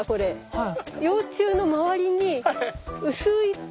はい。